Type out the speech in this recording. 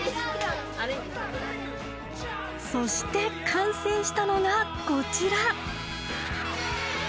そして完成したのがこちら。